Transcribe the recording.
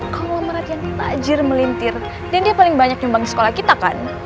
kalau mereka tajir melintir dan dia paling banyak nyumbang di sekolah kita kan